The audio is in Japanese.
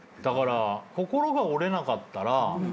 だから心が折れなかったら。